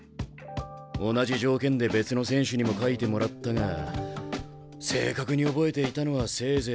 同じ条件で別の選手にも書いてもらったが正確に覚えていたのはせいぜい２３人。